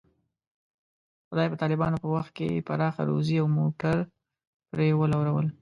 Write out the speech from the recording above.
خدای په طالبانو په وخت کې پراخه روزي او موټر پرې ولورول.